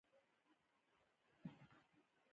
ځینې امپریالیستي هېوادونه لږ اضافي پانګه لري